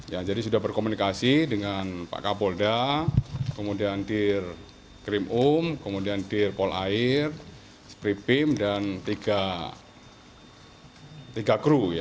ya jadi sudah berkomunikasi dengan pak kapolda kemudian dir krim um kemudian dir polair spripim dan tiga kru